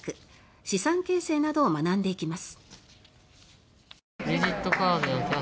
資産形成などを学んでいきます。